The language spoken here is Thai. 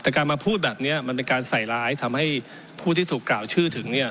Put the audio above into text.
แต่การมาพูดแบบนี้มันเป็นการใส่ร้ายทำให้ผู้ที่ถูกกล่าวชื่อถึงเนี่ย